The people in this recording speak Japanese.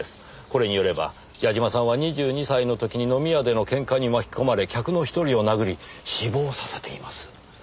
これによれば矢嶋さんは２２歳の時に飲み屋でのケンカに巻き込まれ客の１人を殴り死亡させています。